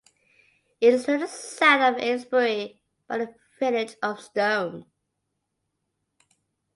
It is to the south of Aylesbury, by the village of Stone.